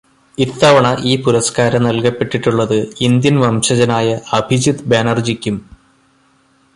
ഇത്തവണ ഈ പുരസ്കാരം നൽകപ്പെട്ടിട്ടുള്ളത് ഇന്ത്യൻ വംശജനായ അഭിജിത് ബാനർജിക്കും